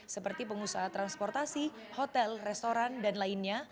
seperti pengusaha transportasi hotel restoran dan lainnya